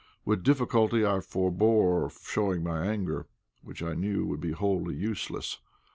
With difficulty I forbore showing my anger, which I knew would be wholly useless.